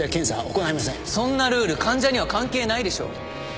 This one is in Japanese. そんなルール患者には関係ないでしょ。